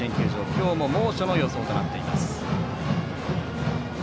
今日も猛暑の予想となっています。